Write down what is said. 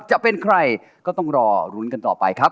จะเป็นใครก็ต้องรอลุ้นกันต่อไปครับ